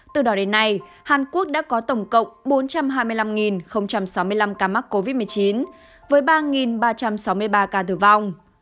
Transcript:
từ đó đến nay hàn quốc đã có tổng cộng bốn trăm hai mươi năm sáu mươi năm ca mắc covid một mươi chín với ba ba trăm sáu mươi ba ca tử vong